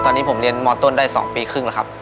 ตอนนี้ผมเรียนมต้นได้๒ปีครึ่งแล้วครับ